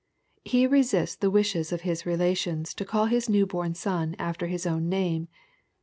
He resists the wishes of his relations to call his new bom son after his own name.